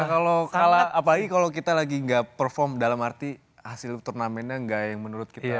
ya kalau kalah apalagi kalau kita lagi nggak perform dalam arti hasil turnamennya nggak yang menurut kita